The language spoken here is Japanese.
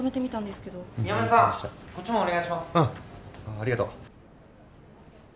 ありがとう。